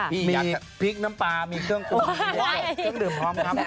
มีพริกน้ำปลามีเครื่องดื่มพร้อมครับ